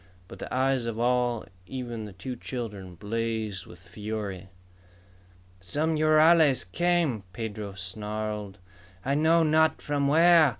But the eyes of all, even the two children, blazed with fury. "Some rurales came!" Pedro snarled. "I know not from where!